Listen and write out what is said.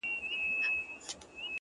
ما چي د ميني په شال ووهي ويده سمه زه!!